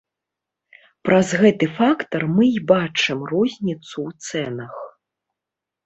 Праз гэты фактар мы і бачым розніцу ў цэнах.